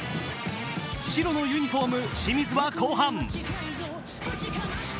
白のユニフォーム・清水は後半。